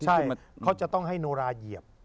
ใช่เขาจะต้องให้โนราเหยียบ